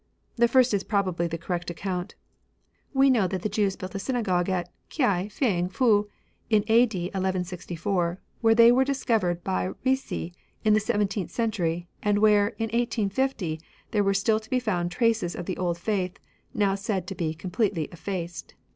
The first is probably the correct account. We know that the Jews built a syna gogue at K'ai feng Fu in a.d. 1164, where they were discovered by Ricci in the seventeenth century, and where, in 1850, there were still to be found traces of the old faith, now said to be completely effaced.